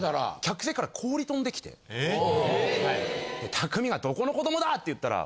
・たくみがどこの子どもだ！って言ったら。